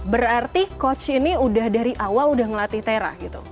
berarti coach ini udah dari awal udah ngelatih tera gitu